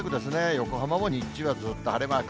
横浜も日中はずっと晴れマーク。